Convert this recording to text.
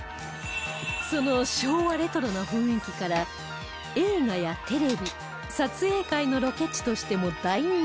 その昭和レトロな雰囲気から映画やテレビ撮影会のロケ地としても大人気